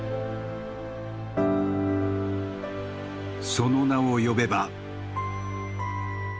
その名を呼べば。